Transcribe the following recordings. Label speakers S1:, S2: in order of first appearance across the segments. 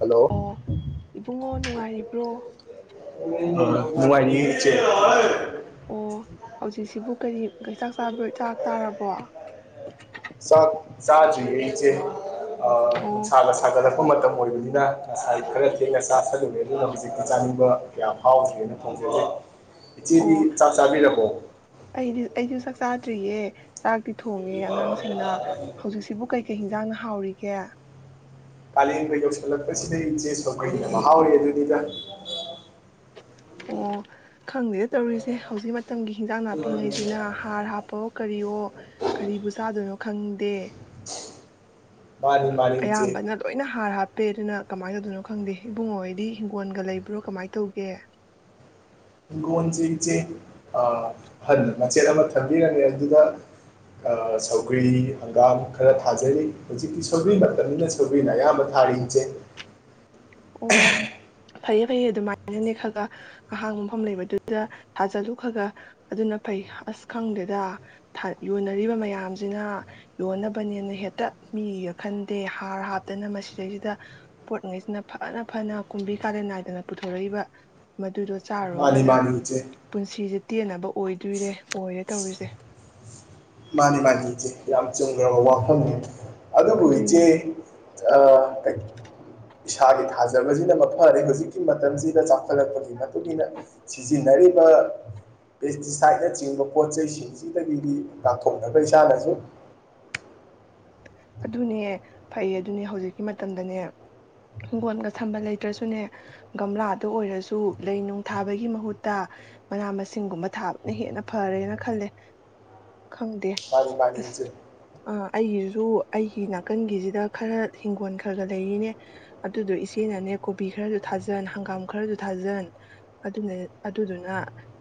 S1: Hello
S2: ꯑꯣ ꯏꯕꯨꯡꯉꯣ ꯅꯨꯡꯉꯥꯏꯔꯤꯕ꯭ꯔꯣ
S1: ꯅꯨꯡꯉꯥꯏꯔꯤꯌꯦ ꯏꯆꯦ
S2: ꯑꯣ ꯍꯧꯖꯤꯛꯁꯤꯕꯨ ꯀꯔꯤ [unintelligible] ꯆꯥꯛ ꯆꯥꯛ ꯆꯥꯔꯕꯣ
S1: ꯆꯥꯛ ꯆꯥꯗꯔ꯭ꯤꯌꯦ ꯏꯆꯦ ꯑꯥ
S2: ꯑꯣ
S1: ꯅꯨꯡꯁꯥꯒꯥ ꯁꯥꯒꯠꯂꯛ ꯑꯄ ꯃꯇꯝ ꯑꯣꯏꯕꯅꯤꯅ ꯉꯁꯥꯏ ꯈꯔ ꯊꯦꯡꯅ ꯆꯥꯥꯁꯜꯂꯨꯨꯔꯦ ꯑꯗꯨꯅ ꯍꯧꯖꯤꯛꯇꯤ ꯆꯥꯅꯤꯡꯕ ꯀꯌꯥ ꯐꯥꯎꯗꯦꯅ [unintelligible] ꯏꯆꯦꯗꯤ
S2: ꯑꯣ
S1: ꯆꯥꯛ ꯆꯥꯕꯤꯔꯕꯣ
S2: ꯆꯥꯗꯔꯤꯌꯦ ꯆꯥꯛꯇꯤ ꯊꯣꯡꯉꯦ ꯑꯉꯥꯡꯁꯤꯡꯅ ꯍꯧꯖꯤꯛꯁꯤꯕꯨ ꯀꯩꯀꯩ ꯍꯤꯟꯖꯥꯡ ꯅꯥ ꯍꯥꯎꯔꯤꯒꯦ
S1: ꯀꯥꯂꯦꯟꯒ ꯌꯧꯁꯤꯜꯂꯛꯄꯁꯤꯗ ꯏꯆꯦ ꯁꯧꯒꯔ꯭ꯤꯅ ꯃꯍꯥꯎꯔꯦ ꯍꯥꯏꯗꯨꯅꯤꯗ
S2: ꯑꯣ ꯈꯪꯗꯦ ꯇꯧꯔꯤꯁꯦ ꯍꯧꯖꯤꯛ ꯃꯇꯝꯒꯤ ꯍꯤꯟꯖꯥꯡ ꯅꯥꯞꯄꯤꯉꯩꯁꯤꯅ ꯍꯥꯔ ꯍꯥꯞꯄꯑꫭ ꯀꯔꯤꯑꯣ ꯀꯔꯤꯕꯨ ꯆꯥꯗꯣꯏꯅꯣ ꯈꯪꯗ ꯇꯦ
S1: ꯃꯥꯅꯤ ꯃꯥꯅꯤ ꯏꯆꯦ
S2: ꯑꯌꯥꯝꯕꯅ ꯂꯣꯏꯅ ꯍꯥꯔ ꯍꯥꯞ ꯍꯥꯞꯄꯦꯗꯨꯅ ꯀꯃꯥꯏꯅ ꯇꯧꯗꯣꯏꯅꯣ ꯈꯪꯗꯦ ꯏꯕꯨꯡꯉꯣꯍꫭꯏꯗꯤ ꯍꯤꯡꯒꯣꯜꯒ ꯂꯩꯕ꯭ꯔꯣ ꯀꯃꯥꯏꯅ ꯇꯧꯒꯦ
S1: ꯍꯤꯡꯒꯣꯜꯁꯦ ꯏꯆꯦ ꯑꯍꯟꯅ ꯃꯆꯦꯠ ꯑꯃ ꯊꯝꯕꯤꯔꯝꯃꯦ ꯑꯗꯨꯗ ꯁꯧꯒ꯭ꯔꯤ ꯍꯪꯒꯥꯝ ꯈꯔ ꯊꯥꯖꯔꯤ ꯍꯧꯖꯤꯛꯇꯤ ꯁꯧꯒ꯭ꯔꯤ ꯃꯇꯝꯅꯤꯅ ꯁꯧꯒ꯭ꯔꯤꯅ ꯑꯌꯥꯝꯕ ꯊꯥꯔꯤ ꯏꯆꯦ
S2: ꯑꯣ ꯐꯩꯌꯦ ꯐꯩꯌꯦ ꯑꯗꯨꯃꯥꯏꯅꯅꯦ ꯈꯒ ꯑꯍꯥꯡꯕ ꯃꯐꯝ ꯂꯩꯕꯗꯨꯗ ꯊꯥꯖꯤꯜꯂꯨ ꯈꯒ ꯑꯗꯨꯅ ꯐꯩ ꯑꯁ ꯈꯪꯗꯦꯗ ꯌꯣꯟꯅꯔꯤꯕ ꯃꯌꯥꯝꯁꯤꯅ ꯌꯣꯟꯅꯕꯅꯦꯅ ꯍꯦꯛꯇ ꯃꯤꯒ ꯈꯟꯗꯦ ꯍꯥꯔ ꯍꯥꯞꯇꯅ ꯃꯁꯤꯗꯩꯁꯤꯗ ꯄꯣꯠꯉꯩꯁꯤꯅ ꯐꯅ ꯐꯅ ꯀꯨꯝꯕꯤ ꯀꯥꯂꯦꯟ ꯅꯥꯏꯗꯅ ꯄꯨꯊꯣꯔꯛꯏꯕ ꯃꯗꯨꯗꯣ
S1: ꯃꯥꯅꯤ
S2: ꯆꯥꯔꯨꯔꯒꯅ
S1: ꯃꯥꯅꯤ ꯏꯆꯦ
S2: ꯄꯨꯟꯁꯤꯁꯦ ꯇꯦꯟꯅꯕ ꯑꯣꯏꯗꯣꯏꯔꯦ ꯑꯣꯏꯔꯦ ꯇꯧꯔꯤꯁꯦ
S1: ꯃꯥꯅꯤ ꯃꯥꯅꯤ ꯏꯆꯦ ꯌꯥꯝ ꯆꯨꯝꯒ꯭ꯔꯕ ꯋꯥꯐꯝꯅꯤ ꯑꯗꯨꯕꯨ
S2: ꯑꯗꯨꯅꯦ
S1: ꯏꯆꯦ ꯑꯥ ꯏꯁꯥꯒꯤ ꯊꯥꯖꯕꯁꯤꯅ ꯃꯐꯔꯦ ꯍꯧꯖꯤꯛꯀꯤ ꯃꯇꯝꯁꯤꯗ ꯆꯥꯛ ꯍꯠꯂꯛꯄꯒꯤ ꯃꯇꯨꯡꯏꯟꯅ ꯁꯤꯖꯤꯟꯅꯔꯤꯕ ꯄꯦꯁꯇꯤꯁꯥꯏꯠꯅꯆꯤꯡꯕ ꯄꯣꯠ ꯆꯩꯁꯤꯡꯁꯤꯗꯒꯤꯗꯤ ꯉꯥꯛꯊꯣꯛꯅꯕ ꯏꯁꯥꯅꯁꯨ
S2: ꯑꯗꯨꯅꯦ ꯐꯩ ꯑꯗꯨꯅꯦ ꯍꯧꯖꯤꯛꯀꯤ ꯃꯇꯝꯗꯅꯦ ꯍꯤꯡꯒꯣꯟꯒ ꯁꯝꯕ ꯂꯩꯇ꯭ꯔꯁꯨꯅꯦ ꯒꯝꯂꯥꯗ ꯑꯣꯏꯔꯁꯨ ꯂꯩ ꯅꯨꯡ ꯊꯥꯕꯒꯤ ꯃꯍꯨꯠꯇ ꯃꯅꯥ ꯃꯁꯤꯡꯒꯨꯝꯕ ꯊꯥꯕꯅ ꯍꯦꯟꯅ ꯐꯔꯦꯅ ꯈꯜꯂꯦ ꯈꯪꯗꯦ
S1: ꯃꯥꯅꯤ ꯃꯥꯅꯤ
S2: ꯑꯁ
S1: ꯏꯆꯦ
S2: ꯑ ꯑꯩꯒꯤꯁꯨ ꯑꯩꯒꯤ ꯅꯥꯀꯟꯒꯤꯁꯤꯗ ꯈꯔ ꯍꯤꯡꯒꯣꯜ ꯈꯔꯒ ꯂꯩꯔꯤꯅꯦ ꯑꯗꯨꯗꯣ ꯏꯆꯦꯅꯅꯦ ꯀꯣꯕꯤ ꯈꯔꯁꯨ ꯊꯥꯖꯟ ꯍꯪꯒꯥꯝ ꯈꯔꯁꯨ ꯊꯥꯖꯟ ꯑꯗꯨꯅ ꯑꯗꯨꯗꯨꯅ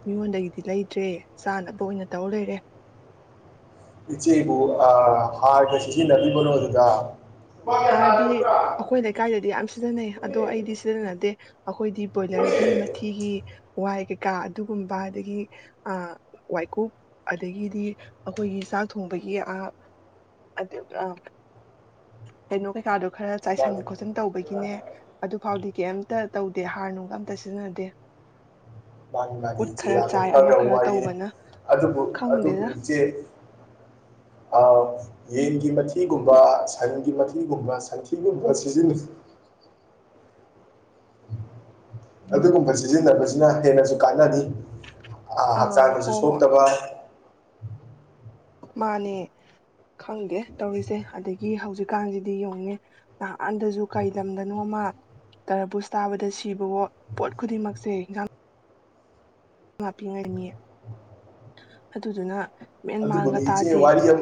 S2: ꯃꯤꯉꯣꯟꯗꯒꯤꯗꯤ ꯂꯩꯗꯔ꯭ꯦ ꯆꯥꯅꯕ ꯑꯣꯏꯅ ꯇꯧꯔ ꯂꯩꯔꯦ
S1: ꯏꯆꯦꯕꯨ ꯑꯥ ꯍꯥꯔꯒ ꯁꯤꯖꯤꯅꯕꯤꯕꯔꯣ ꯑꯗꯨꯗ
S2: ꯍꯥꯔꯗꯤ ꯑꯩꯈꯣꯏ ꯂꯩꯀꯥꯏꯗꯗꯤ ꯌꯥꯝ ꯁꯤꯖꯤꯟꯅꯩ ꯑꯗꯣ ꯑꯩꯗꯤ ꯁꯤꯖꯤꯟꯅꯗꯦ ꯑꯩꯈꯣꯏꯗꯤ ꯕꯣꯏꯂꯔꯒꯤ ꯃꯊꯤꯒꯤ ꯋꯥꯏ ꯀꯩꯀꯥ ꯑꯗꯨꯒꯨꯝꯕ ꯑꯗꯒꯤ ꯋꯥꯏꯀꯨꯞ ꯑꯗꯒꯤꯗꯤ ꯑꯩꯈꯣꯏꯒꯤ ꯆꯥꯛ ꯊꯣꯡꯕꯒꯤ [unintelligible] ꯀꯩꯅꯣ ꯀꯩꯀꯥꯗꯣ ꯈꯔ ꯆꯥꯏꯁꯟ
S1: ꯃꯥꯅꯤ
S2: ꯈꯣꯠꯆꯟ ꯇꯧꯕꯒꯤ ꯅꯦ ꯑꯗꯨ ꯐꯥꯎꯗꯤ ꯀꯩꯝꯇ ꯇꯧꯗꯦ ꯍꯥꯔ ꯅꯨꯡꯒ ꯑꯝꯇ ꯁꯤꯖꯤꯟꯅꯗꯦ
S1: ꯃꯥꯅꯤ ꯃꯥꯅꯤ
S2: ꯎꯠ
S1: ꯏꯆꯦ
S2: ꯈꯔ
S1: ꯌꯥꯝꯅ
S2: ꯆꯥꯏ ꯑꯃ
S1: ꯐꯈ꯭ꯔꯕ
S2: ꯈꯔ
S1: ꯋꯥꯔꯤꯅꯤ
S2: ꯇꯧꯕꯅ
S1: ꯑꯗꯨꯕꯨ ꯑꯗꯨꯕꯨ
S2: ꯈꯪꯗꯦꯗ
S1: ꯏꯆꯦ ꯑ ꯌꯦꯟꯒꯤ ꯃꯊꯤꯒꯨꯝꯕ ꯁꯟꯒꯤ ꯃꯊꯤꯒꯨꯝꯕ ꯁꯟꯊꯤꯒꯨꯝꯕ ꯁꯤꯖꯤꯟꯅꯩ ꯑꯗꯨꯒꯨꯝꯕ ꯁꯤꯖꯤꯟꯅꯕꯁꯤꯅ ꯍꯦꯟꯅꯁꯨ ꯀꯥꯟꯅꯅꯤ ꯑꯥ ꯍꯛꯆꯥꯡꯁꯨ
S2: ꯍꯣꯏ ꯍꯣꯏ
S1: ꯁꯣꯛꯇꯕ
S2: ꯃꯥꯅꯦ ꯈꯪꯗꯦ ꯇꯧꯔꯤꯁꯦ ꯑꯗꯒꯤ ꯍꯧꯖꯤꯛꯀꯥꯟꯁꯤꯗꯤ ꯌꯦꯡꯉꯅꯤ ꯅꯍꯥꯟꯗꯁꯨ ꯀꯩꯂꯝꯗꯅꯣꯞꯃ ꯇꯔꯕꯨꯁ ꯇꯥꯕꯗ ꯁꯤꯕꯋꯣ ꯄꯣꯠ ꯈꯨꯗꯤꯡꯃꯛꯁꯦ ꯏꯟꯁꯥꯡ ꯍꯥꯞꯄꯤꯉꯥꯏꯅꯤ ꯑꯗꯨꯗꯨꯅ ꯃꯦꯟ
S1: ꯑꯗꯨꯕꯨꯅꯦ
S2: ꯃꯥꯟꯒ
S1: ꯏꯆꯦ
S2: ꯇꯥꯗꯦ
S1: ꯋꯥꯔꯤꯌꯝ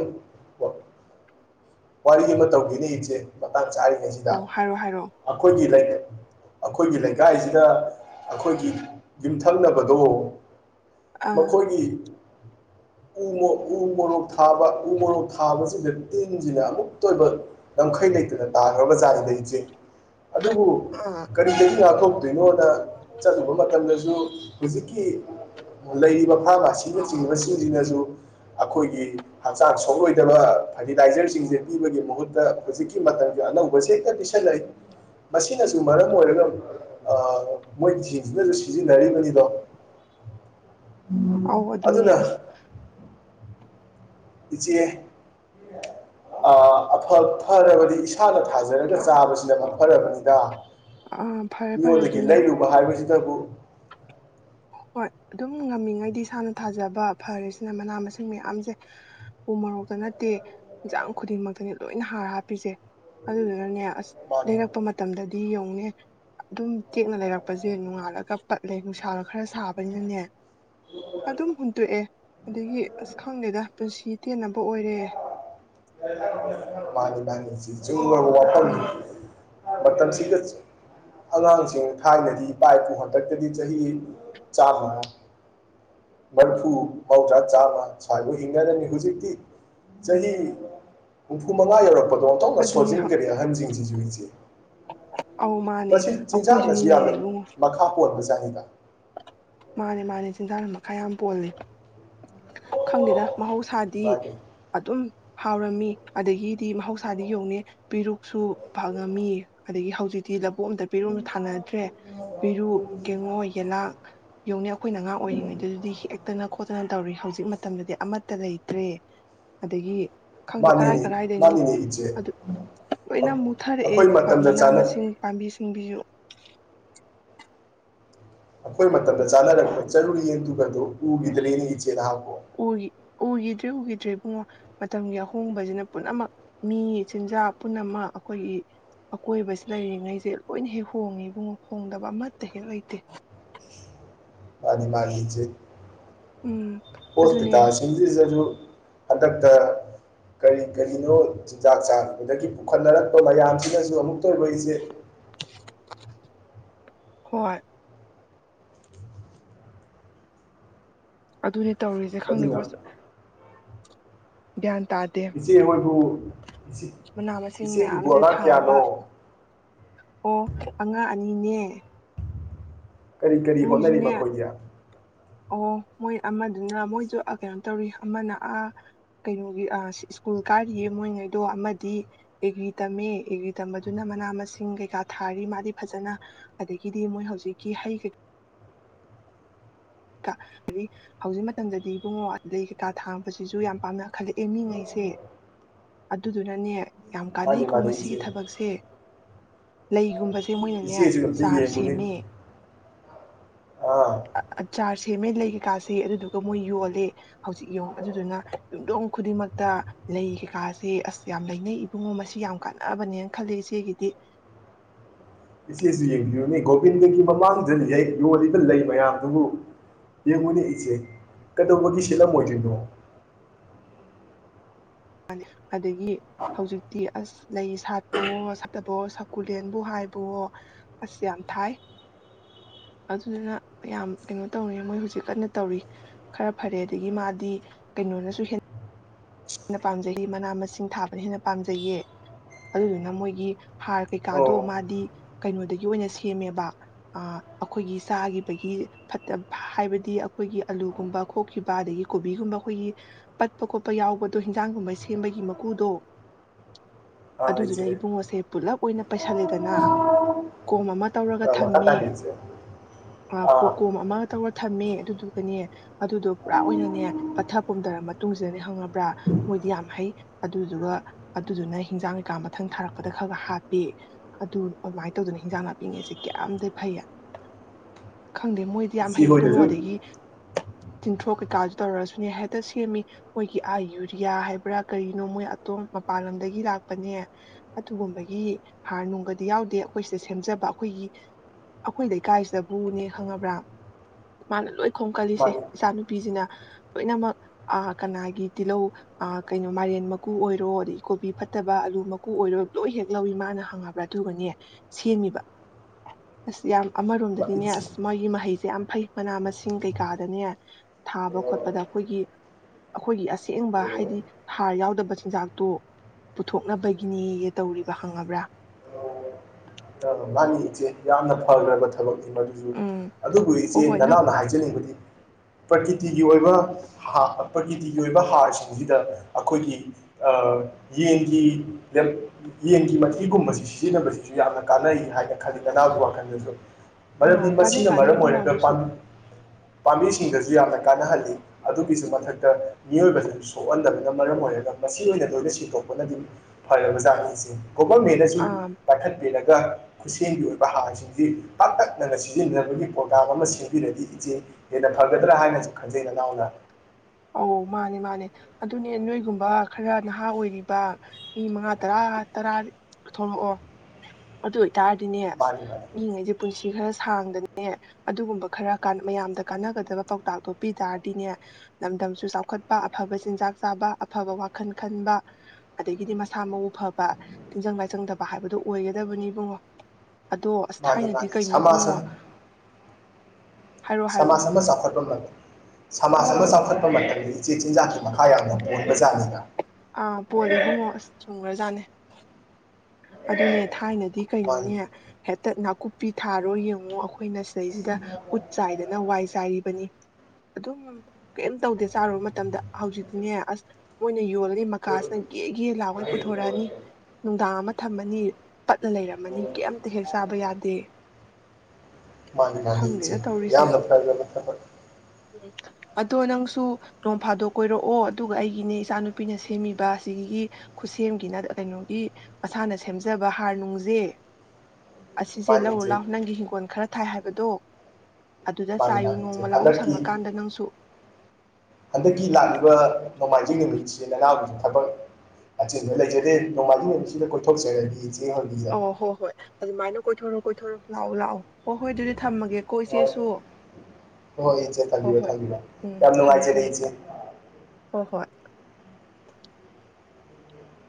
S1: ꯋꯥꯔꯤ ꯑꯃ ꯇꯧꯒꯦꯅꯦ ꯏꯆꯦ ꯃꯇꯥꯡ ꯆꯥꯔꯤ
S2: ꯑꯣ
S1: ꯑꯁꯤꯗ
S2: ꯍꯥꯏꯔꯣ ꯍꯥꯏꯔꯣ
S1: ꯑꯈꯣꯏꯒꯤ [unintelligible] ꯑꯈꯣꯏꯒꯤ ꯂꯩꯀꯥꯏꯁꯤꯗ ꯑꯈꯣꯏꯒꯤ ꯌꯨꯝꯊꯪꯅꯕꯗꯣ
S2: ꯑꯥ
S1: ꯃꯈꯣꯏꯒꯤ ꯎ ꯃꯔꯣꯛ ꯊꯥꯕ ꯎ ꯃꯔꯣꯛ ꯊꯥꯕꯁꯤꯗ ꯇꯤꯟ ꯁꯤꯅ ꯑꯃꯨꯛꯇ ꯑꯣꯏꯕ ꯂꯝꯈꯩ ꯂꯩꯇꯅ ꯇꯥꯈ꯭ꯔꯕ ꯖꯥꯠꯅꯤꯗ ꯏꯖꯦ ꯑꯗꯨꯕꯨ
S2: ꯑꯥ
S1: ꯀꯔꯤꯗꯒꯤ ꯉꯥꯛꯊꯣꯛꯇꯣꯏꯅꯣꯅ ꯆꯠꯂꯨꯕ ꯃꯇꯝꯗꯁꯨ ꯍꯧꯖꯤꯛꯀꯤ ꯂꯩꯔꯤꯕ ꯐꯥꯔꯃꯥꯁꯤꯅꯆꯤꯡꯕꯁꯤꯡꯁꯤꯅꯁꯨ ꯑꯩꯈꯣꯏꯒꯤ ꯍꯛꯆꯥꯡ ꯁꯣꯛꯂꯣꯏꯗꯕ ꯐꯔꯇꯤꯂꯥꯏꯖꯔ ꯁꯤꯡꯁꯦ ꯄꯤꯕꯒꯤ ꯃꯍꯨꯠꯇ ꯍꯧꯖꯤꯛꯀꯤ ꯃꯇꯝꯁꯦ ꯑꯅꯧꯕꯁꯦ ꯍꯦꯛꯇ ꯄꯤꯁꯜꯂꯛꯏ ꯃꯁꯤꯅꯁꯨ ꯃꯔꯝ ꯑꯣꯏꯔꯒ ꯃꯣꯏꯁꯤꯡꯁꯤꯅꯁꯨ ꯁꯤꯖꯤꯟꯅꯔꯤꯕꯅꯤꯗꯣ
S2: ꯑꯧ ꯑꯗꯨꯅꯦ
S1: ꯑꯗꯨꯅ
S2: ꯑꯁ
S1: ꯏꯆꯦ ꯑꯐ ꯐꯔꯕꯗꯤ ꯏꯁꯥꯅ ꯊꯥꯖꯔꯒ ꯆꯥꯕꯁꯤꯅ ꯃꯐꯔꯕꯅꯤꯗ
S2: ꯑꯥ ꯐꯔꯦ ꯐꯔꯦ
S1: ꯃꯤꯉꯣꯟꯗꯒꯤ
S2: ꯑꯗꯨꯅꯦ
S1: ꯂꯩꯔꯨꯕ ꯍꯥꯏꯕꯁꯤ ꯇꯕꯨ
S2: ꯍꯣꯏ ꯑꯗꯨꯝ ꯉꯝꯃꯤꯉꯩꯗꯤ ꯏꯁꯥꯅ ꯊꯥꯖꯕ ꯐꯔꯦꯁꯤꯅ ꯃꯅꯥ ꯃꯁꯤꯡ ꯃꯌꯥꯝꯁꯦ ꯎ ꯃꯣꯔꯣꯛꯇ ꯅꯠꯇꯦ ꯏꯟꯁꯥꯡ ꯈꯨꯗꯤꯡꯃꯛꯇꯅꯦ ꯂꯣꯏꯅ ꯍꯥꯔ ꯍꯥꯞꯄꯤꯁꯦ ꯑꯗꯨꯗꯨꯅꯅꯦ ꯑꯁ
S1: ꯃꯥꯅꯤ
S2: ꯂꯩꯔꯛꯄ ꯃꯇꯝꯗꯗꯤ ꯌꯧꯅꯦ ꯑꯗꯨꯝ ꯇꯦꯛꯅ ꯂꯩꯔꯛꯄꯁꯦ ꯅꯣꯡꯉꯥꯜꯂꯒ ꯄꯠꯂꯦ ꯅꯨꯡꯁꯥ ꯈꯔ ꯁꯥꯕꯅꯤꯅꯅꯦ ꯑꯗꯨꯝ ꯍꯨꯟꯇꯣꯛꯑꯦ ꯑꯗꯒꯤ ꯑꯁ ꯈꯪꯗꯦꯗ ꯄꯨꯟꯁꯤ ꯇꯦꯟꯅꯕ ꯑꯣꯏꯔꯦ
S1: [unintelligible] ꯆꯨꯝꯂꯕ ꯋꯥꯐꯝꯅꯤ
S2: ꯎꯝ
S1: ꯃꯇꯝꯁꯤꯗ ꯑꯉꯥꯡꯁꯤꯡ ꯊꯥꯏꯅꯗꯤ ꯏꯄꯥ ꯏꯄꯨ ꯍꯟꯇꯛꯇꯗꯤ ꯆꯍꯤ ꯆꯥꯝꯃ ꯃꯔꯐꯨ ꯃꯧꯗ꯭ꯔꯥ ꯆꯥꯝꯃ ꯁ꯭ꯋꯥꯏꯐꯥꯎ ꯍꯤꯡꯅꯔꯝꯃꯤ ꯍꯧꯖꯤꯛꯇꯤ ꯆꯍꯤ ꯍꯨꯝꯐꯨ ꯃꯉꯥ ꯌꯧꯔꯛꯄꯒ ꯇꯣ ꯇꯧꯅ
S2: ꯑꯗꯨꯅꯦ ꯍ
S1: ꯁꯣꯟꯖꯤꯒ꯭ꯔꯦ ꯑꯍꯟꯁꯤꯡꯁꯦ
S2: ꯑꯧ
S1: [unintelligible]
S2: ꯃꯥꯅꯦ
S1: ꯃꯁꯤ ꯆꯤꯟꯖꯥꯛꯅꯁꯨ
S2: ꯑꯩꯈꯣꯏꯁꯨꯅꯤꯅꯦ
S1: ꯌꯥꯝꯅ
S2: ꯏꯕꯨꯡꯉꯣ
S1: ꯃꯈꯥ ꯄꯣꯟꯕ ꯆꯥꯏ [unintelligible]
S2: ꯃꯥꯅꯦ ꯃꯥꯅꯤ ꯆꯤꯟꯖꯥꯛ ꯃꯈꯥ ꯌꯥꯝ ꯄꯣꯜꯂꯤ ꯈꯪꯗꯦꯗ ꯃꯍꯧꯁꯥꯗꯤ
S1: ꯃꯥꯅꯤ
S2: ꯑꯗꯨꯝ ꯍꯥꯎꯔꯝꯃꯤ ꯑꯗꯒꯤꯗꯤ ꯃꯍꯧꯁꯥꯗꯤ ꯌꯧꯅꯤ ꯄꯦꯔꯨꯛꯁꯨ ꯐꯪꯉꯝꯃꯤ ꯑꯗꯒꯤ ꯍꯧꯖꯤꯛꯇꯤ ꯂꯕꯨꯨꯛ ꯑꯝꯇ ꯄꯦꯔꯨꯛꯁꯨ ꯊꯥꯅꯗ꯭ꯔꯦ ꯄꯦꯔꯨꯛ ꯀꯦꯡꯉꯣꯏ ꯌꯦꯂꯥꯡ ꯌꯦꯡꯎꯅꯦ ꯑꯩꯈꯣꯏꯅ ꯑꯉꯥ ꯑꯣꯏꯔꯤꯉꯩꯗꯨꯗꯨꯗꯤ ꯍꯦꯛꯇꯅ ꯈꯣꯠꯇꯅ ꯇꯧꯔꯤ ꯍꯧꯖꯤꯛ ꯃꯇꯝꯗꯗꯤ ꯑꯃꯠꯇ ꯂꯩꯇ꯭ꯔꯦ ꯑꯗꯒꯤ ꯈꯪꯗꯦ ꯀꯔꯥꯏ
S1: ꯃꯥꯅꯤꯅꯦ
S2: ꯀꯔꯥꯏꯗꯩꯅꯣ
S1: ꯃꯥꯅꯤꯅꯦ ꯏꯆꯦ
S2: ꯑꯗꯨ ꯂꯣꯏꯅ ꯃꯨꯊꯔꯛꯑꯦ
S1: ꯑꯩꯈꯣꯏ ꯃꯇꯝꯗ
S2: ꯃꯅꯥ
S1: ꯆꯥꯅ
S2: ꯃꯁꯤꯡ ꯄꯥꯝꯕꯤꯁꯤꯡꯕꯤꯁꯨ [unintelligible]
S1: ꯑꯩꯈꯣꯏ ꯃꯇꯝꯗ ꯆꯥꯟꯅꯔꯒ ꯆꯠꯔꯨꯏ ꯌꯦꯟꯗꯨꯒꯗꯣ ꯎꯒꯤꯗꯔ꯭ꯦ ꯅꯦ ꯏꯆꯦ ꯅꯍꯥꯛꯄꯨ
S2: ꯎꯈꯤꯗ꯭ꯔꯦ ꯎꯈꯤꯗ꯭ꯔꯦ ꯏꯕꯨꯡꯉꯣ ꯃꯇꯝꯒꯤ ꯑꯍꯣꯡꯕꯁꯤꯅ ꯄꯨꯝꯅꯃꯛ ꯃꯤ ꯆꯤꯟꯖꯥꯛ ꯄꯨꯝꯅꯃꯛ ꯑꯩꯈꯣꯏꯒꯤ ꯑꯀꯣꯏꯕꯁꯤ ꯂꯩꯔꯤꯉꯩꯁꯦ ꯂꯣꯏꯅ ꯍꯦꯛ ꯍꯣꯡꯉꯤ ꯏꯕꯨꯡꯉꯣ ꯍꯣꯡꯗꯕ ꯑꯃꯠꯇ ꯍꯦꯛ ꯂꯩꯇꯦ
S1: ꯃꯅꯤ ꯃꯅꯤ ꯏꯆꯦ
S2: ꯎꯝ ꯑꯗꯨꯅꯦ
S1: ꯍꯣꯁꯄꯤꯇꯥꯜꯁꯤꯁꯤꯗꯖꯨ ꯍꯟꯗꯛꯇ ꯀꯔꯤ ꯀꯔꯤꯅꯣ ꯆꯤꯟꯖꯥꯛ ꯆꯥꯡ ꯑꯗꯒꯤ ꯄꯨꯈꯠꯅꯔꯛꯄ ꯃꯌꯥꯝꯁꯤꯅꯁꯨ ꯑꯃꯨꯛꯇꯑꯣꯏꯕ ꯏꯁꯦ
S2: ꯍꯣꯏ ꯑꯗꯨꯅꯦ ꯇꯧꯔꯤꯁꯦ ꯈꯪꯗꯦ
S1: ꯑꯗꯨꯅ
S2: ꯍꯣꯁ ꯒꯌ꯭ꯥꯟ
S1: ꯏꯆꯦꯍꯣꯏꯕꯨ [unintelligible] [inaudible]
S2: ꯃꯅꯥ ꯃꯁꯤꯡ ꯃꯌꯥꯝꯁꯦ ꯊꯥꯕ
S1: ꯀꯌꯥꯅꯣ
S2: ꯑꯣ ꯑꯉꯥꯡ ꯑꯅꯤꯅꯦ
S1: ꯀꯔꯤ ꯀꯔꯤ ꯍꯣꯠꯅꯔꯤ
S2: ꯃꯣꯏꯁꯨꯅꯦ
S1: ꯃꯈꯣꯏꯗꯤ
S2: ꯑꯣ ꯃꯣꯏ ꯑꯃꯗꯨꯅ ꯃꯣꯏꯗ ꯀꯩꯅꯣ ꯇꯧꯔꯤ ꯑꯃꯅ ꯑꯥ ꯀꯩꯅꯣꯒꯤ ꯑ ꯁ꯭ꯀꯨꯜ ꯀꯥꯔꯤꯌꯦ ꯃꯣꯏꯉꯩꯗꯣ ꯑꯃꯗꯤ ꯑꯦꯒ꯭ꯔꯤ ꯇꯝꯃꯦ ꯑꯦꯒ꯭ꯔꯤ ꯇꯝꯕꯗꯨꯅ ꯃꯅꯥ ꯃꯁꯤꯡ ꯀꯩꯀꯥ ꯊꯥꯔꯤ ꯃꯥꯗꯤ ꯐꯖꯅ ꯑꯗꯒꯤꯗꯤ ꯃꯣꯏ ꯍꯧꯖꯤꯛꯀꯤ ꯍꯩ ꯀꯩ ꯍꯥꯏꯗꯤ ꯍꯧꯖꯤꯛ ꯃꯇꯝꯗꯗꯤ ꯏꯕꯨꯡꯉꯣ ꯂꯩ ꯀꯩꯀꯥ ꯊꯥꯕꯁꯤꯁꯨ ꯌꯥꯝ ꯄꯥꯝꯅ ꯈꯜꯂꯛꯑꯦ ꯃꯤꯉꯩꯁꯦ ꯑꯗꯨꯗꯨꯅꯅꯦ ꯌꯥꯝ
S1: ꯃꯥꯅꯤ
S2: ꯀꯥꯟꯅꯩꯀꯣ
S1: ꯃꯥꯅꯤ
S2: ꯃꯁꯤꯒꯤ
S1: ꯏꯆꯦ
S2: ꯊꯕꯛꯁꯦ ꯂꯩꯒꯨꯝꯕꯁ ꯁꯦ ꯃꯣꯏꯅꯅꯦ
S1: ꯏꯆꯦꯁꯨ ꯑꯝꯇ
S2: ꯆꯥꯔ
S1: ꯌꯦꯡꯉꯨꯅꯦ
S2: ꯁꯦꯝꯃꯦ
S1: ꯑꯥ
S2: ꯆꯥꯔ ꯁꯦꯝꯃꯦ ꯂꯩ ꯀꯩꯀꯥꯁꯦ ꯑꯗꯨꯗꯨꯒ ꯃꯣꯏ ꯌꯣꯜꯂꯦ ꯍꯧꯖꯤꯛ ꯌ ꯑꯗꯨꯗꯨꯅ ꯌꯨꯝꯊꯣꯡ ꯈꯨꯗꯤꯡꯃꯛꯇ ꯂꯩ ꯀꯩꯀꯥꯁꯦ ꯑꯁ ꯌꯥꯝ ꯂꯩꯅꯩ ꯏꯕꯨꯡꯉꯣ ꯃꯁꯤ ꯌꯥꯝ ꯀꯥꯟꯅꯕꯅꯦꯅ ꯈꯜꯂꯦ ꯏꯆꯦꯒꯤꯗꯤ
S1: ꯏꯆꯦꯁꯨ ꯌꯦꯡꯕꯤꯌꯨꯅꯦ ꯒꯣꯕꯤꯟꯒꯒꯤ ꯃꯃꯥꯡꯗ ꯌꯣꯜꯂꯤꯕ ꯂꯩ ꯃꯌꯥꯝꯗꯨꯕꯨ ꯌꯦꯡꯉꯨꯅꯦ ꯏꯆꯦ ꯀꯩꯗꯧꯕꯒꯤ ꯁꯤꯠꯂꯝ ꯃꯣꯏꯗꯔ꯭ꯤꯅꯣ
S2: ꯑꯗꯒꯤ ꯍꯧꯖꯤꯛꯇꯤ ꯑꯁ ꯂꯩ ꯁꯥꯠꯄꯋꯣ ꯁꯥꯠꯇꯕꯣ ꯁꯥꯀꯨꯂꯦꯟꯕꯨ ꯍꯥꯏꯕꯋꯣ ꯑꯁ ꯌꯥꯝ ꯊꯥꯏ ꯑꯗꯨꯗꯨꯅ ꯌꯥꯝ ꯀꯩꯅꯣ ꯇꯧꯋ ꯃꯣꯏ ꯍꯧꯖꯤꯛ ꯀꯟꯅ ꯇꯧꯔꯤ ꯈꯔ ꯐꯔꯦ ꯑꯗꯒꯤ ꯃꯥꯗꯤ ꯀꯩꯅꯣꯅꯁꯨ ꯍꯦꯟ ꯍꯦꯟꯅ ꯄꯥꯝꯖꯩ ꯃꯅꯥ ꯃꯁꯤꯡ ꯊꯥꯕꯅ ꯍꯦꯟꯅ ꯄꯥꯝꯖꯩꯌꯦ ꯑꯗꯨꯗꯨꯅ ꯃꯣꯏꯒꯤ ꯍꯥꯔ ꯀꯩꯀꯥꯗꯣ
S1: ꯑꯣ
S2: ꯃꯥꯗꯤ ꯀꯩꯅꯣꯗꯒꯤ ꯑꯣꯏꯅ ꯁꯦꯝꯃꯦꯕ ꯑꯩꯈꯣꯏꯒꯤ ꯆꯥꯈꯤꯕꯒꯤ ꯐꯠꯇ ꯍꯥꯏꯕꯗꯤ ꯑꯩꯈꯣꯏꯒꯤ ꯑꯂꯨꯒꯨꯝꯕ ꯈꯣꯈꯤꯕ ꯑꯗꯒꯤ ꯀꯣꯕꯤꯒꯨꯝꯕ ꯑꯩꯈꯣꯏꯒꯤ ꯄꯠꯄ ꯈꯣꯠꯄ ꯌꯥꯎꯕ ꯇꯣ ꯍꯤꯟꯖꯥꯡꯒꯨꯝꯕ ꯁꯦꯝꯕꯒꯤ ꯃꯀꯨꯗꯣ
S1: ꯑꯥ
S2: ꯑꯗꯨꯗꯨꯅ
S1: ꯏꯆꯦ
S2: ꯏꯕꯨꯡꯉꯣꯁꯦ ꯄꯨꯂꯞ ꯑꯣꯏꯅ ꯄꯩꯁꯜꯂꯦꯗꯅ ꯀꯣꯝ ꯑꯃ ꯇꯧꯔꯒ
S1: ꯑꯥ ꯃꯈꯥ
S2: ꯊꯝꯃꯦ
S1: ꯇꯕꯤꯎ ꯏꯆꯦ ꯑꯥ
S2: ꯀꯣꯀꯣꯝ ꯑꯃ ꯇꯧꯔ ꯊꯝꯃꯦ ꯑꯗꯨꯗꯨꯒꯅꯦ ꯑꯗꯨꯗꯣ ꯄꯨꯔꯥ ꯑꯣꯏꯅꯅꯦ ꯄꯠꯊ ꯄꯨꯝꯊꯔ ꯃꯇꯨꯡꯁꯤꯗꯅꯦ ꯈꯪꯉꯕ꯭ꯔꯥ ꯃꯣꯏꯗꯤ ꯌꯥꯝ ꯍꯩ ꯑꯗꯨꯗꯨꯒ ꯑꯗꯨꯗꯨꯅ ꯍꯤꯟꯖꯥꯡ ꯀꯩꯀꯥ ꯃꯊꯪ ꯊꯥꯔꯛꯄꯗ ꯈꯔ ꯈꯔ ꯍꯥꯞꯄꯤ ꯑꯗꯨ ꯑꯗꯨꯃꯥꯏꯅ ꯇꯧꯗꯅ ꯍꯤꯟꯖꯥꯡ ꯅꯥꯄꯤꯉꯩꯁꯤꯦ ꯀꯌꯥꯝꯗꯤ ꯐꯩꯏ ꯈꯪꯗꯦ ꯃꯣꯏꯗꯤ ꯌꯥꯝ
S1: ꯏꯆꯦ
S2: ꯍꯩ ꯏꯕꯨꯡꯉꯣ
S1: ꯍꯣꯏꯗꯁꯨ
S2: ꯑꯗꯒꯤ ꯇꯤꯟꯊ꯭ꯔꯣꯛ ꯀꯩꯀꯥꯁꯨ ꯇꯧꯔꯁꯨꯅꯦ ꯍꯦꯛꯇ ꯁꯦꯝꯃꯤ ꯃꯣꯏꯒꯤ ꯑꯥꯏ ꯌꯨ ꯔꯤꯌꯥ ꯍꯥꯏꯕ꯭ꯔꯥ ꯀꯔꯤꯅꯣ ꯃꯣꯏ ꯑꯇꯣꯝ ꯃꯄꯥꯟꯂꯝꯗꯒꯤ ꯂꯥꯛꯄꯅꯦ ꯑꯗꯨꯒꯨꯝꯕꯒꯤ ꯍꯥꯔ ꯅꯨꯡꯒꯗꯤ ꯌꯥꯎꯗꯦ ꯑꯩꯈꯣꯏꯁꯤꯗ ꯁꯦꯝꯖꯕ ꯑꯩꯈꯣꯏꯒꯤ ꯑꯩꯈꯣꯏ ꯂꯩꯀꯥꯏꯁꯤꯗꯕꯨꯅꯦ ꯈꯪꯉꯕ꯭ꯔꯥ ꯃꯥꯅ ꯂꯣꯢ ꯈꯣꯝ ꯀꯜꯂꯤꯁꯦ
S1: ꯃꯥꯅꯤ
S2: ꯏꯆꯥ ꯅꯨꯨꯄꯤꯁꯤꯅ ꯂꯣꯏꯅꯃꯛ ꯑ ꯀꯅꯥꯒꯤ ꯇꯤꯜꯍꯧ ꯑꯥ ꯀꯩꯅꯣ ꯃꯥꯏꯔꯦꯟ ꯃꯀꯨ ꯑꯣꯏꯔꯣ ꯑꯗꯩ ꯀꯣꯕꯤ ꯐꯠꯇꯕ ꯑꯂꯨ ꯃꯀꯨ ꯑꯣꯏꯔꯣ ꯂꯣꯏ ꯍꯦꯛ ꯂꯧꯏ ꯃꯥꯅ ꯈꯪꯉꯕ꯭ꯔꯥ ꯑꯗꯨꯒꯅꯦ ꯁꯦꯝꯃꯤꯕ ꯑꯁ ꯌꯥꯝ ꯑꯃꯔꯣꯝꯗꯗꯤꯅꯦ
S1: ꯏꯆꯦ
S2: ꯑꯁ ꯃꯥꯒꯤ ꯃꯍꯩ ꯌꯥꯝ ꯐꯩ ꯃꯅꯥ ꯃꯁꯤꯡ ꯀꯩꯀꯥꯗꯅꯦ ꯊꯥꯕ ꯈꯣꯠꯄꯗ ꯑꯩꯈꯣꯏꯒꯤ ꯑꯩꯈꯣꯏꯒꯤ ꯑꯁꯦꯡꯕ ꯍꯥꯏꯗꯤ ꯍꯥꯔ ꯌꯥꯎꯗꯕ ꯆꯤꯟꯖꯥꯛꯇꯣ ꯄꯨꯊꯣꯛꯅꯕꯒꯤꯅꯦꯌꯦ ꯇꯧꯔꯤꯕ ꯈꯪꯉꯕ꯭ꯔꯥ?
S1: ꯃꯥꯅꯤ ꯏꯆꯦ ꯌꯥꯝꯅ ꯐꯈ꯭ꯔꯕ ꯊꯕꯛꯅꯤ꯫ ꯃꯗꯨꯁꯨ
S2: ꯎꯝ
S1: ꯑꯗꯨꯕꯨ
S2: ꯍꯣꯏ
S1: ꯏꯆꯦ
S2: ꯍꯣꯏ ꯅꯪ
S1: ꯅꯅꯥꯎꯅ ꯍꯥꯏꯖꯅꯤꯡꯕꯗꯤ ꯄ꯭ꯔꯀꯤꯇꯤꯒꯤ ꯑꯣꯏꯕ ꯍꯥ ꯄ꯭ꯔꯀꯤꯇꯤꯒꯤ ꯑꯣꯏꯕ ꯍꯥꯔꯁꯤꯡꯁꯤꯗ ꯑꯩꯈꯣꯏꯒꯤ ꯌꯦꯟꯒꯤ ꯌꯦꯟꯒꯤ ꯃꯊꯤꯒꯨꯝꯕꯁꯤ ꯁꯤꯖꯤꯟꯅꯕꯁꯤꯁꯨ ꯌꯥꯝꯅ ꯀꯥꯟꯅꯩ ꯍꯥꯏꯅ ꯈꯜꯂꯤ ꯅꯅꯥꯎꯒꯤ ꯋꯥꯈꯜꯗꯁꯨ
S2: ꯑꯥ
S1: ꯃꯔꯝꯗꯤ
S2: ꯀꯥꯟꯅꯩ
S1: ꯃꯁꯤꯅ
S2: ꯀꯥꯟꯅꯩ
S1: ꯃꯔꯝ
S2: ꯏꯕꯨꯡꯉꯣ
S1: ꯑꯣꯏꯔꯒ
S2: ꯑꯗꯨꯁꯨ
S1: ꯄꯥꯝꯕꯤ ꯄꯥꯝꯕꯤ ꯁꯤꯡꯗꯁꯨ ꯌꯥꯝꯅ ꯀꯥꯟꯅꯍꯜꯂꯤ ꯑꯗꯨꯒꯤꯁꯨ ꯃꯊꯛꯇ ꯃꯤꯑꯣꯏꯕꯗ ꯁꯣꯛꯍꯟꯗꯕꯅ ꯃꯔꯝ ꯑꯣꯏꯔꯒ ꯃꯁꯤ ꯑꯣꯏꯅ ꯂꯣꯏꯅ ꯁꯤꯟꯗꯣꯛꯄꯅꯗꯤ ꯐꯔꯕꯖꯥꯠꯅꯤ ꯏꯆꯦ ꯒꯣꯚꯔꯃꯦꯟꯠ ꯅꯁꯨ
S2: ꯑꯥ
S1: ꯄꯥꯏꯈꯠ ꯄꯤꯔꯛ ꯑꯒ ꯈꯨꯠꯁꯦꯝꯒꯤ ꯑꯣꯏꯕ ꯍꯥꯥꯡꯁꯤꯡꯁꯤ ꯄꯥꯛꯇꯛꯅꯅ ꯁꯤꯖꯤꯟꯅꯕꯒꯤ ꯄ꯭ꯔꯣꯒ꯭ꯔꯥꯝ ꯑꯃ ꯁꯦꯝꯕꯤꯔꯗꯤ ꯏꯆꯦ ꯍꯦꯟꯅ ꯐꯒꯗ꯭ꯔꯥ ꯍꯥꯏꯅꯁꯨ ꯈꯟꯖꯩ ꯅꯅꯥꯎꯅ
S2: ꯑꯧ ꯃꯥꯅꯦ ꯃꯥꯅꯦ ꯑꯗꯨꯅꯦ ꯅꯣꯏꯒꯨꯝꯕ ꯈꯔꯥ ꯅꯍꯥ ꯑꯣꯏꯔꯤꯕ ꯃꯤ ꯃꯉꯥ ꯇꯔꯥ ꯇꯔꯥ ꯊꯣꯛꯂꯛꯑꯣ꯫ ꯑꯗꯨꯢ ꯇꯥꯔꯗꯤꯅꯦ
S1: ꯃꯥꯅꯤ ꯃꯥꯅꯤ
S2: ꯃꯤꯉꯩꯁꯦ ꯄꯨꯟꯁꯤ ꯈꯔꯥ ꯁꯥꯡꯗꯅ ꯑꯦ ꯑꯗꯨꯒꯨꯝꯕ ꯈꯔꯥ ꯀꯥꯟꯅ ꯃꯌꯥꯝꯗ ꯀꯥꯟꯅꯒꯗꯕ ꯄꯥꯎꯇꯥꯛꯇꯣ ꯄꯤ ꯇꯥꯔꯗꯤꯅꯦ ꯂꯝꯗꯝꯁꯨ ꯆꯥꯎꯈꯠꯄ ꯑꯐꯕ ꯆꯤꯟꯖꯥꯛ ꯆꯥꯕ ꯑꯐꯕ ꯋꯥꯈꯜ ꯈꯟꯕ ꯑꯗꯒꯤꯗꯤ ꯃꯁꯥ ꯃꯎ ꯐꯕ ꯇꯤꯟꯖꯪ ꯂꯥꯏꯖꯪꯗꯕ ꯍꯥꯏꯕꯗꯨ ꯑꯣꯏꯒ ꯗꯕꯅꯤ ꯏꯕꯨꯡꯉꯣ ꯑꯗꯣ ꯑꯁ
S1: ꯃꯥꯅꯤ
S2: ꯊꯥꯏꯅꯗꯤ
S1: ꯃꯥꯅꯤ
S2: ꯀꯩꯅꯣ ꯏꯕꯨꯡꯉꯣ
S1: ꯁꯃꯥꯖ
S2: ꯍꯥꯏꯔꯛꯑꯣ ꯍꯥꯏꯔꯛꯑꯣ
S1: ꯁꯃꯥꯖ ꯑꯃ ꯆꯥꯎꯈꯠꯄ ꯉꯝꯃꯤ꯫ ꯁꯃꯥꯖ ꯑꯃ ꯆꯥꯎꯈꯠꯄ ꯃꯇꯝꯗ ꯏꯆꯦ ꯆꯤꯟꯖꯥꯛꯀꯤ ꯃꯈꯥ ꯌꯥꯝꯅ ꯄꯣꯟꯕꯖꯥꯠꯅꯤꯗ꯫
S2: ꯑꯥ ꯄꯣꯜꯂꯦ ꯏꯕꯨꯡꯉꯣ ꯑꯁ ꯆꯨꯝꯒ꯭ꯔꯖꯥꯠꯅꯦ꯫ [inaudible] ꯑꯗꯨꯅꯦ ꯊꯥꯏꯅꯗꯤ ꯀꯩꯅꯣꯅꯦ
S1: ꯃꯥꯅꯤ
S2: ꯍꯦꯛ ꯇ ꯅꯥꯀꯨꯞꯄꯤ ꯊꯥꯔꯣ ꯌꯦꯡꯉꯣ ꯑꯈꯣ ꯑꯩꯈꯣꯏꯅ ꯁꯤꯗꯩꯁꯤꯗ ꯎꯠ ꯆꯥꯏꯗꯅ ꯋꯥꯏ ꯆꯥꯏꯔꯤꯕꯅꯤ꯫ ꯑꯗꯨꯝ ꯀꯦꯝ ꯇꯧꯗꯦ ꯆꯥꯔꯨꯕ ꯃꯇꯝꯗ ꯍꯧꯖꯤꯛꯇꯤꯅꯦ ꯑꯁ ꯃꯣꯏꯅ ꯌꯣꯜ [unintelligible] ꯃꯀꯥꯁꯤꯅ ꯒꯦ ꯒꯦ ꯂꯥꯎꯒꯩ ꯄꯨꯊꯣꯔꯛꯑꯅꯤ ꯅꯨꯡꯗꯥꯡ ꯑꯃ ꯊꯝꯃꯅꯤ ꯄꯠꯂ ꯂꯩꯔꯝꯃꯅꯤ ꯀꯦꯝꯇ ꯍꯦꯛ ꯆꯥꯕ ꯌꯥꯗꯦ꯫
S1: ꯃꯥꯅꯤ ꯃꯥꯅꯤ ꯏꯆꯦ
S2: ꯈꯪꯗꯦꯗ ꯇꯧꯔꯤꯁꯦ
S1: ꯌꯥꯝꯅ ꯐꯈ꯭ꯔꯕ ꯊꯕꯛꯅꯤ
S2: ꯑꯗꯣ ꯅꯪꯁꯨ ꯅꯣꯡ ꯐꯥꯗꯣꯛ ꯀꯣꯏꯔꯛꯑꯣ ꯑꯗꯨꯒ ꯑꯩꯒꯤꯅꯦ ꯏꯆꯥꯅꯨꯄꯤꯅ ꯁꯦꯝꯃꯤꯕ ꯑꯁꯤꯒꯤ ꯈꯨꯠꯁꯦꯝꯒꯤꯅ ꯀꯩꯅꯣꯒꯤ ꯃꯁꯥꯅ ꯁꯦꯝꯖꯕ ꯍꯥꯔ ꯅꯨꯡꯖꯦ ꯑꯁꯤꯁꯦ
S1: ꯃꯥꯅꯤ ꯏꯆꯦ
S2: ꯂꯧꯔꯛꯑꯣ ꯅꯉꯒꯤ ꯍꯤꯡꯒꯣꯜ ꯈꯔ ꯊꯥꯏ ꯍꯥꯏꯕꯗꯣ ꯑꯗꯨꯗ
S1: ꯃꯥꯅꯤ
S2: ꯆꯥꯌꯨ
S1: ꯃꯥꯅꯤ ꯏꯆꯦ
S2: ꯅꯣꯡꯃ ꯂꯥꯛꯎ
S1: ꯍꯟꯗꯛꯀꯤ
S2: ꯁꯪꯉꯀꯥꯟꯗ ꯅꯪꯁꯨ
S1: ꯍꯟꯗꯛꯀꯤ ꯂꯥꯛꯂꯤꯕ ꯅꯣꯡꯃꯥꯏꯖꯤꯡ ꯅꯨꯃꯤꯠꯁꯤꯦ ꯅꯅꯥꯎꯒꯤꯁꯨ ꯊꯕꯛ ꯑꯆꯤꯟꯕ ꯂꯩꯖꯗꯦ ꯅꯣꯡꯃꯥꯏꯖꯤꯡ ꯅꯨꯃꯤꯠꯁꯤꯗ ꯀꯣꯏꯊꯣꯛꯆꯔꯗꯤ
S2: ꯑꯣ ꯍꯣ ꯍꯣꯏ ꯑꯗꯨꯃꯥꯏꯅ ꯀꯣꯏꯊꯣꯔꯛꯑꯣ ꯀꯣꯏꯊꯣꯔꯑꯣ ꯂꯥꯛꯑꯣ ꯂꯥꯛꯑꯣ ꯑꯣ ꯍꯣꯏ ꯑꯗꯨꯗꯤ ꯊꯝꯃꯒꯦ ꯀꯣ ꯏꯆꯦꯁꯨ
S1: ꯍ ꯏꯆꯦ
S2: ꯍꯣꯏ
S1: ꯊꯕꯤꯌꯔ
S2: ꯍꯣꯏ
S1: ꯊꯌ ꯌꯥꯝ
S2: ꯎꯝ
S1: ꯌꯥꯝ ꯅꯨꯡ
S2: ꯊꯝꯃꯦ
S1: ꯃꯥꯥꯏꯖꯦꯅꯦꯦ
S2: ꯊꯝꯃꯦ
S1: ꯏꯆꯦ
S2: ꯍꯣꯏ ꯍꯣꯏ